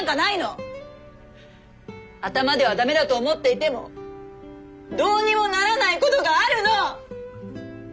頭では駄目だと思っていてもどうにもならないことがあるの！